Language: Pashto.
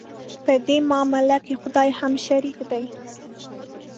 په دې معامله کې خدای هم شریک دی.